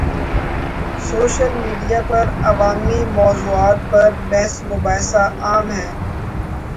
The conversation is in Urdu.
سوشل میڈیا پر عوامی موضوعات پر بحث مباحثہ عام ہے۔